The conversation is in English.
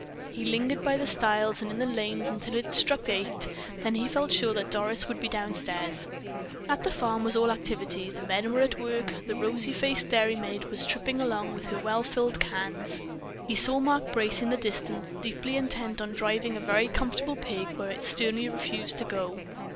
He lingered by the stiles and in the lanes until it struck eight, then he felt sure that Doris would be down stairs. At the farm all was activity; the men were at work; the rosy faced dairy maid was tripping along with her well filled cans. He saw Mark Brace in the distance, deeply intent on driving a very comfortable pig where it sternly refused to go.